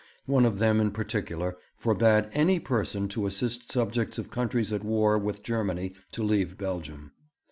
One of them in particular forbade any person to assist subjects of countries at war with Germany to leave Belgium.